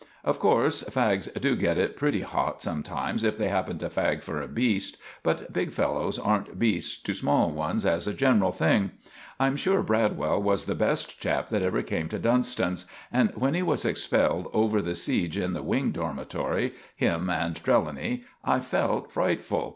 Of corse, fags do get it pretty hot sometimes if they happen to fag for a beast, but big fellows aren't beasts to small ones as a general thing. I'm sure Bradwell was the best chap that ever came to Dunston's, and when he was expelled over the seege in the Wing Dormatery him and Trelawny I felt frightful.